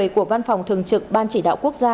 của văn phòng thường trực ban chỉ đạo quốc gia